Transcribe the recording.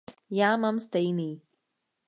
Já mám stejný.